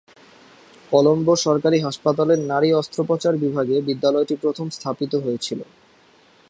কলম্বো সরকারি হাসপাতালের নারী অস্ত্রোপচার বিভাগে বিদ্যালয়টি প্রথম স্থাপিত হয়েছিলো।